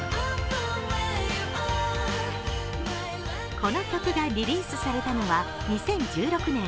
この曲がリリースされたのは２０１６年。